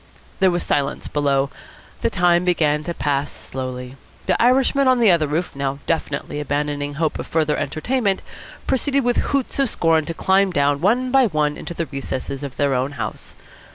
There was silence below. The time began to pass slowly. The Irishmen on the other roof, now definitely abandoning hope of further entertainment, proceeded with hoots of scorn to climb down one by one into the recesses of their own house.